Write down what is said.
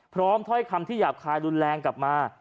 ถ้อยคำที่หยาบคายรุนแรงกลับมา